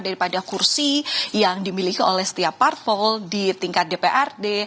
daripada kursi yang dimiliki oleh setiap parpol di tingkat dprd